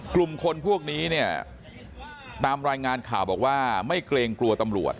กลุ่มคนพวกนี้เนี่ยตามรายงานข่าวบอกว่าไม่เกรงกลัวตำรวจ